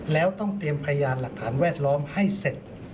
แล้วต้องเตรียมพยานหลักฐานแวดล้อมให้เสร็จ